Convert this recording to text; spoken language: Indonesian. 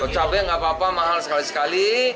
cabai gak apa apa mahal sekali sekali